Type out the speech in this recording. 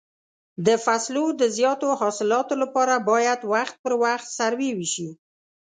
د فصلو د زیاتو حاصلاتو لپاره باید وخت پر وخت سروې وشي.